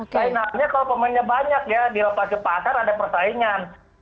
finalnya kalau pemainnya banyak ya dilepas ke pasar ada persaingan